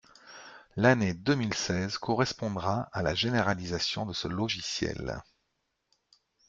L’année deux mille seize correspondra à la généralisation de ce logiciel.